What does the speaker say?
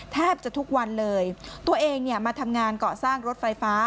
แทบจะทุกวันเลยตัวเองเนี่ยมาทำงานเกาะสร้างรถไฟฟ้า